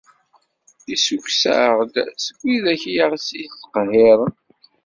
Issukkes-aɣ-d seg widak i aɣ-ittqehhiren.